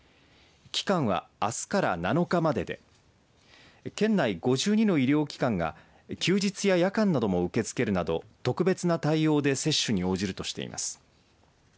期間はあすから７日までで県内５２の医療機関が休日や夜間なども受け付けるなど、特別な対応で接種に応じるとしています。